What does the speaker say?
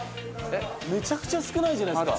めちゃくちゃ少ないじゃないですか。